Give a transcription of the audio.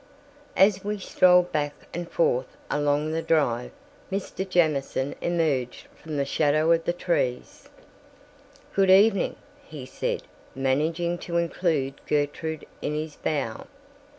As we strolled back and forth along the drive, Mr. Jamieson emerged from the shadow of the trees. "Good evening," he said, managing to include Gertrude in his bow.